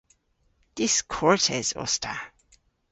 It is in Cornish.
Diskortes os ta.